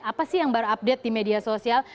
apa sih yang baru update di media sosial